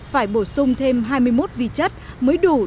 phải bổ sung thêm sữa học đường